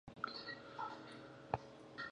مګر حقایق هم نه پټوي.